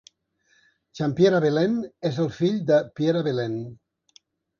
Jean-Pierre Abelin és el fill de Pierre Abelin.